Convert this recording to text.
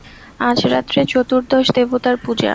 আজ রাত্রে চতুর্দশ দেবতার পূজা।